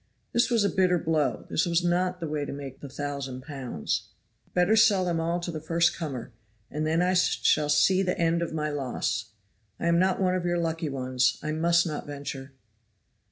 This was a bitter blow. This was not the way to make the thousand pounds. "Better sell them all to the first comer, and then I shall see the end of my loss. I am not one of your lucky ones. I must not venture."